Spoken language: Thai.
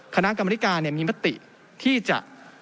คณะกรรมริการเนี่ยมีปฏิที่จะ